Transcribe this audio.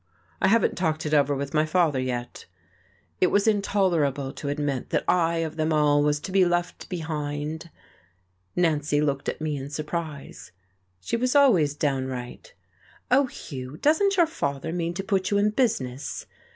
"I haven't talked it over with my father yet." It was intolerable to admit that I of them all was to be left behind. Nancy looked at me in surprise. She was always downright. "Oh, Hugh, doesn't your father mean to put you in business?"